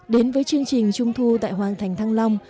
đến với chương trình trung thu tại hoàng thành thăng long